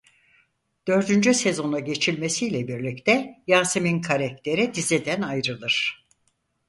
Dördüncü sezona geçilmesiyle birlikte Yasemin karakteri diziden ayrılır.